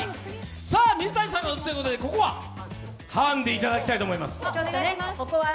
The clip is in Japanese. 水谷さんが打つということで、ここはハンデをいただきたいと思います。